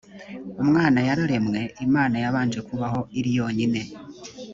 umwana yararemwe imana yabanje kubaho iri yonyine